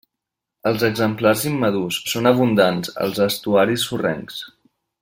Els exemplars immadurs són abundants als estuaris sorrencs.